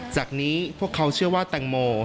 จากนี้พวกเขาเชื่อว่าแตงโม